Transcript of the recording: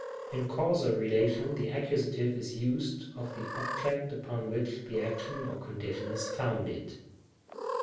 In causal relation the Accus. is used of the ob ject upon which the action or condition is founded.